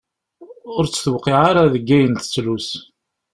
Ur tt-tewqiε ara deg ayen tettlus.